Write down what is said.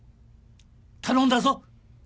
頼んだぞ。